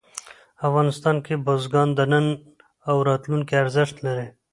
افغانستان کې بزګان د نن او راتلونکي ارزښت لري.